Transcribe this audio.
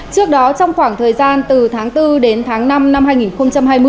trước đó trong khoảng thời gian từ tháng bốn đến tháng năm năm hai nghìn hai mươi